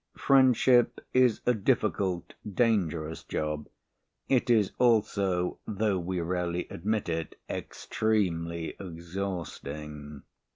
Friendship is a difficult, dangerous job. It is also (though we rarely admit it) extremely exhausting.